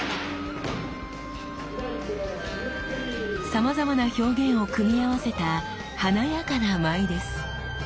さまざまな表現を組み合わせた華やかな舞です。